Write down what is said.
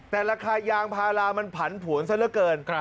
แต่ราคายางพารามันผันผวนซะเหลือเกิน